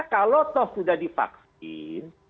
kalau toh sudah divaksin